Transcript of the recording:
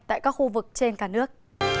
tại các khu vực trên cả nước